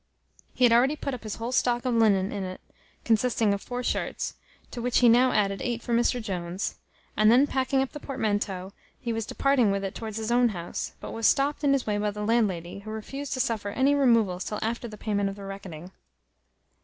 He had already put up his whole stock of linen in it, consisting of four shirts, to which he now added eight for Mr Jones; and then packing up the portmanteau, he was departing with it towards his own house, but was stopt in his way by the landlady, who refused to suffer any removals till after the payment of the reckoning.